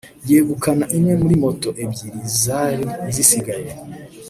yegukana imwe muri moto ebyiri zari zisigaye